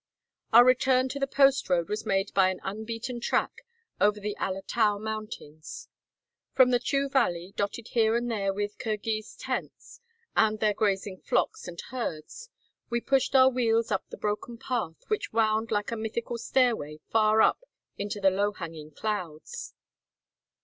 Our return to the post road was made by an unbeaten track over the Ala Tau mountains. From the Chu valley, dotted here and there with Kirghiz tent villages and their grazing flocks and herds, we pushed our wheels up the broken path, which wound like a mythical stairway far up into the low hanging clouds.